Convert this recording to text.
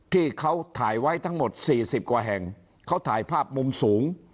ที่เขาถ่ายไว้ทั้งหมดสี่สิบกว่าแห่งเขาถ่ายภาพมุมสูง